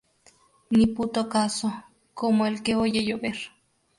Ni puto caso. Como el que oye llover